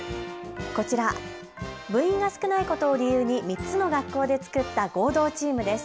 こちら、部員が少ないことを理由に３つの学校で作った合同チームです。